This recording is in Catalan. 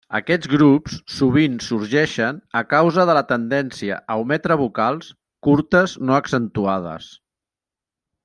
Aquests grups sovint sorgeixen a causa de la tendència a ometre vocals curtes no accentuades.